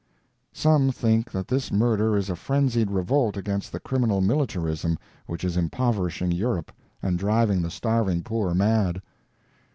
Some think that this murder is a frenzied revolt against the criminal militarism which is impoverishing Europe and driving the starving poor mad.